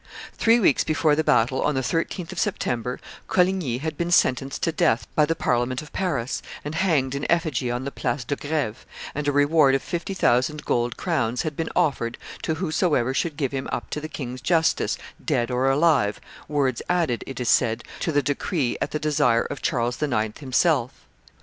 Three weeks before the battle, on the 13th of September, Coligny had been sentenced to death by the Parliament of Paris, and hanged in effigy on the Place de Greve; and a reward of fifty thousand gold crowns had been offered to whosoever should give him up to the king's justice dead or alive, words added, it is said, to the decree at the desire of Charles IX. himself.